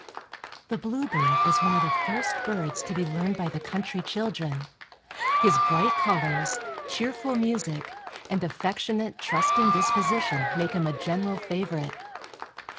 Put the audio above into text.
The bluebird is one of the first birds to be learned by the country children; his bright colors, cheerful music and affectionate, trusting disposition make him a general favorite.